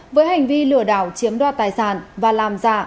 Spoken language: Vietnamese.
với hành vi lửa đảo chiếm đoạt tài sản và làm giá